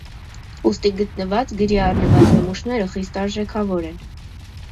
Ուստի, գտնված, գրի առնված նմուշները խիստ արժեքավոր են։